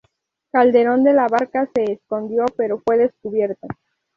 Calderón de la Barca se escondió, pero fue descubierto.